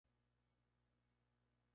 Fue capitán en la Artillería Real.